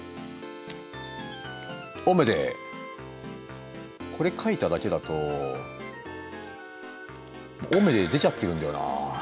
「おめでー」これ書いただけだともう「おめでー」出ちゃってるんだよな。